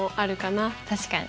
確かに。